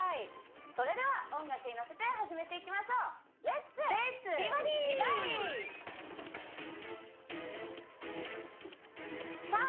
それでは音楽に乗せて始めていきましょうさあ